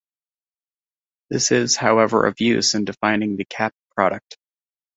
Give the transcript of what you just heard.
This is however of use in defining the cap product.